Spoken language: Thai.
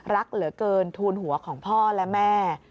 รักเหลือเกินทูลหัวของพ่อและแม่